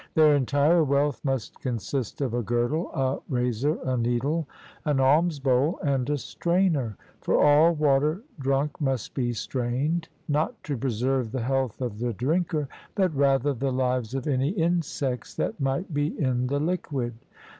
Their entire wealth must consist of a girdle, a razor, a needle, an alms bowl, and a strainer; for all water drunk must be strained, not to preserve the health of the drinker, but rather the lives of any insects that might be in the liquid.